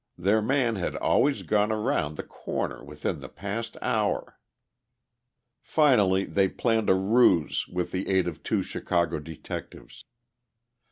Their man had always gone around the corner within the past hour. Finally they planned a ruse with the aid of two Chicago detectives.